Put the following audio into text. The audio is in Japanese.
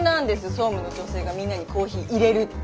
総務の女性がみんなにコーヒーいれるって。